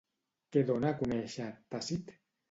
Què dona a conèixer, Tàcit?